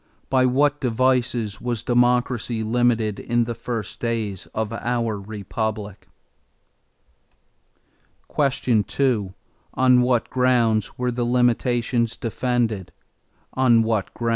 By what devices was democracy limited in the first days of our Republic? 2. On what grounds were the limitations defended?